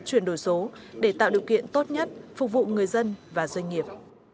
chuyển đổi số để tạo điều kiện tốt nhất phục vụ người dân và doanh nghiệp